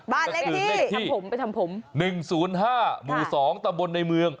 บ้านเล็กที่๑๐๕หมู่๒ตำบลในเมือง